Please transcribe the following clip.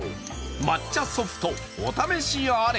抹茶ソフト、お試しあれ。